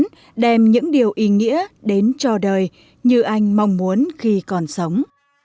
để anh vẫn đem những điều ý nghĩa đến cho đời như anh mong muốn khi còn sống